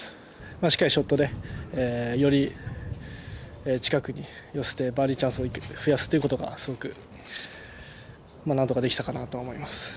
しっかりショットでより近くに寄せてバーディーチャンスを増やすっていうことがすごく、なんとかできたかなと思います。